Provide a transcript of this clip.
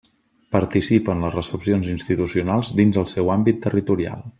Participa en les recepcions institucionals dins el seu àmbit territorial.